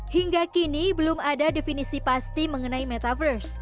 hingga kini belum ada definisi pasti mengenai metaverse